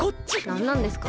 なんなんですか？